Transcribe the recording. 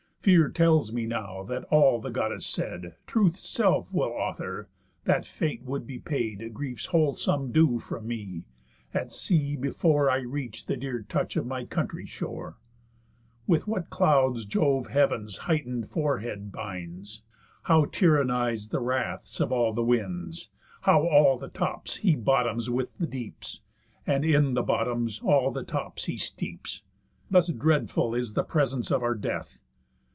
Fear tells me now, that, all the Goddess said, Truth's self will author, that Fate would be paid Grief's whole sum due from me, at sea, before I reach'd the dear touch of my country's shore. With what clouds Jove heav'n's heighten'd forehead binds! How tyrannize the wraths of all the winds! How all the tops he bottoms with the deeps, And in the bottoms all the tops he steeps! Thus dreadful is the presence of our death.